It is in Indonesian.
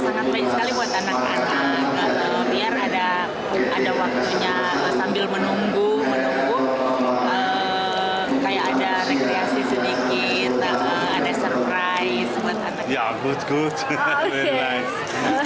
sangat banyak sekali buat anak anak biar ada waktunya sambil menunggu menunggu kayak ada rekreasi sedikit ada surprise